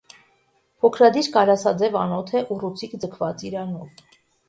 Փոքրադիր կարասաձև անոթ է՝ ուռուցիկ ձգված իրանով։